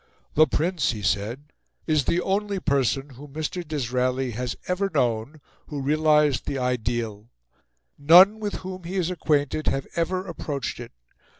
"The Prince," he said, "is the only person whom Mr. Disraeli has ever known who realised the Ideal. None with whom he is acquainted have ever approached it.